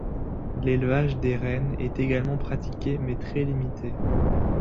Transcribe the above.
L'élevage des rennes est également pratiqué mais très limité.